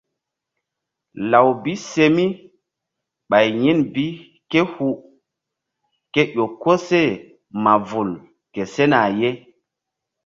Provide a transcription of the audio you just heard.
Law bi se mi ɓay yin bi ké hu ke ƴo koseh ma vul ke sena ye.